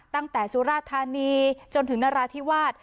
ตั้งแต่สุราษฎร์ธานีจนถึงนราธิวาส